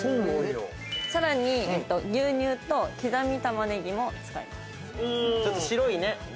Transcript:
さらに牛乳と刻み玉ねぎも使います。